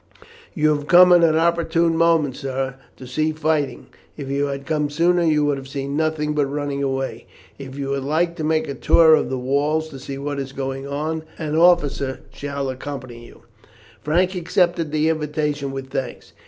"You have come at an opportune moment, sir, to see fighting. If you had come sooner you would have seen nothing but running away. If you would like to make a tour of the walls to see what is going on, an officer shall accompany you." Frank accepted the invitation with thanks.